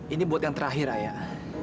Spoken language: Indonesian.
ini buat yang terakhir ayah